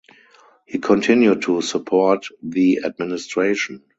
He continued to support the administration.